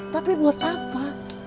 tapi buat apa